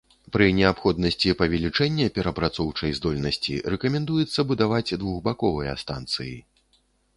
Пры неабходнасці павелічэння перапрацоўчай здольнасці рэкамендуецца будаваць двухбаковыя станцыі.